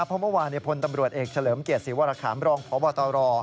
เพราะเมื่อวานพลตำรวจเอกเฉลิมเกียรติศรีวรคามรองพบตร